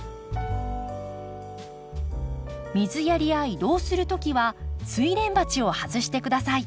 水やりや移動する時はスイレン鉢を外して下さい。